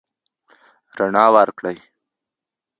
رڼا ورکړئ.